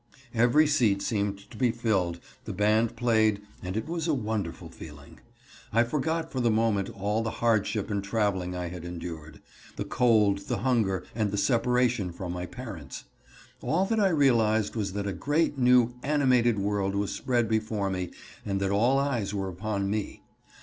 Every seat seemed to be filled, the band played, and it was a wonderful feeling. I forgot, for the moment, all the hardship and traveling I had endured; the cold, the hunger, and the separation from my parents. All that I realized was that a great, new, animated world was spread before me and that all eyes were upon me.